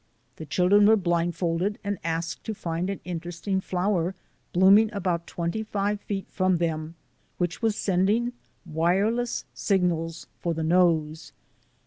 The children were blindfolded and asked to find an interesting flower, blooming about twenty five feet from them, which was sending wireless signals for the nose.